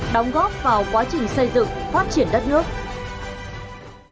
đóng góp vào quá trình xây dựng phát triển đất nước